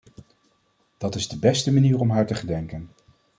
Dat is de beste manier om haar te gedenken.